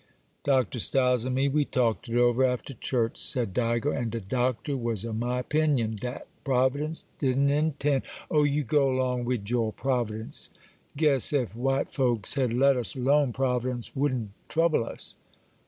'Dr. Stiles and me we talked it over after church,' said Digo,—'and de Doctor was of my 'pinion, dat Providence didn't intend—' 'Oh, you go 'long wid your Providence! Guess, ef white folks had let us alone, Providence wouldn't trouble us.